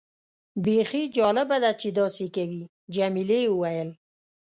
بیخي جالبه ده چې داسې کوي. جميلې وويل:.